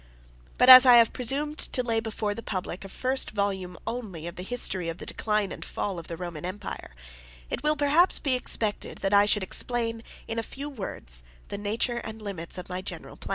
But as I have presumed to lay before the public a first volume only 1 of the History of the Decline and Fall of the Roman Empire, it will, perhaps, be expected that I should explain, in a few words, the nature and limits of my general plan.